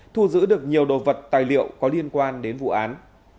thu giữ được nhiều đồ vật tài liệu có liên quan đến vụ án